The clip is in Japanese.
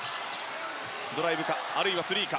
ドライブか、あるいはスリーか。